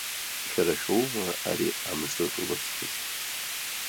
Шәара шәоума, ари амҿы ылызхыз?